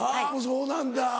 そうなんだ